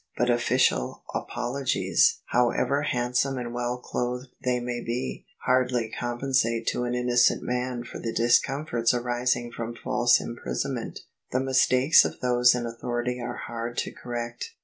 But official apologies, however hand some and well clothed they may be, hardly compensate to an innocent man for the discomforts arising from false imprisonment The mistakes of those in authority are hard to correct.